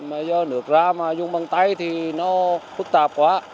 bây giờ nước ra mà dùng bằng tay thì nó phức tạp quá